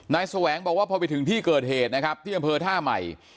แสวงบอกว่าพอไปถึงที่เกิดเหตุนะครับที่อำเภอท่าใหม่